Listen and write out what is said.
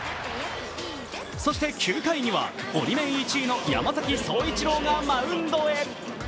そして９回にはオリメン１位の山崎颯一郎がマウンドへ。